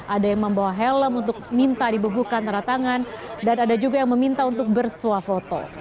ada yang membawa helm untuk minta dibebuhkan teratangan dan ada juga yang meminta untuk bersuah foto